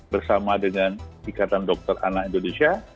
bersama dengan ikatan dokter anak indonesia